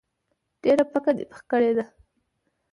ډیره پکه دي پخه کړی ده